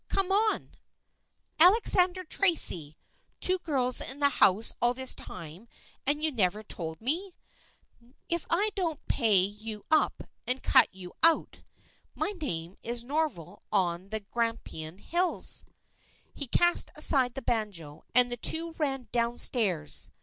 Come on !"" Alexander Tracy ! Two girls in the house all this time and you never told me ! If I don't pay you up and cut you out, my name is Norval on the Grampian Hills " He cast aside the banjo and the two ran down stairs.